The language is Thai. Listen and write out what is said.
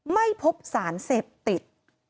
ไม่พบสารเสพติด